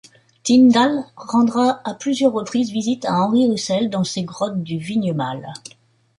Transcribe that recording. Tyndall rendra à plusieurs reprises visite à Henry Russell dans ses grottes du Vignemale.